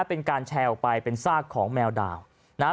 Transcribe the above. เป็นการแชร์ออกไปเป็นซากของแมวดาวนะฮะ